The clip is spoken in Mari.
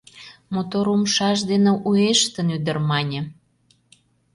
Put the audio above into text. — мотор умшаж дене уэштын, ӱдыр мане.